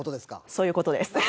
そういう事です。